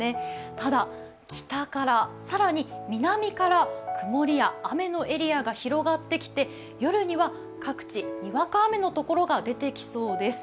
ただ北から更に南から曇りや雨のエリアが広がってきて夜には各地にわか雨の所が出てきそうです。